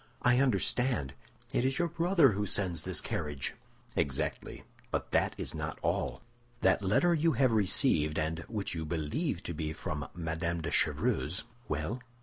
"I understand. It is your brother who sends this carriage." "Exactly; but that is not all. That letter you have received, and which you believe to be from Madame de Chevreuse—" "Well?"